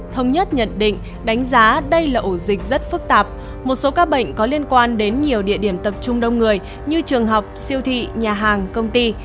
thống nhất nhận định đánh giá đây là ổ dịch rất phức tạp một số ca bệnh có liên quan đến nhiều địa điểm tập trung đông người như trường học siêu thị nhà hàng công ty